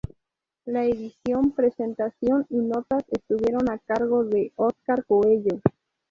La edición, presentación y notas estuvieron a cargo de Óscar Coello.